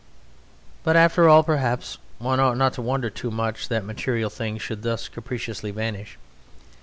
But, after all, perhaps one ought not to wonder too much that material things should thus capriciously vanish.